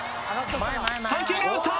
３球目打った！